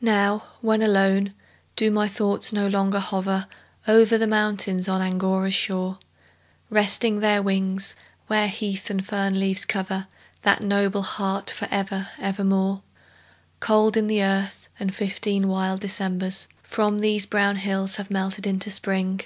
Now, when alone, do my thoughts no longer hover Over the mountains on Angora's shore, Resting their wings, where heath and fern leaves cover That noble heart for ever, ever more? Cold in the earth, and fifteen wild Decembers From these brown hills have melted into Spring.